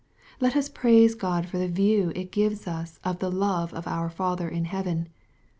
— Let us praise God for the view it gives us of the love of our Father in heaven.